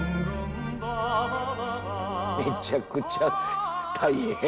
めちゃくちゃ大変。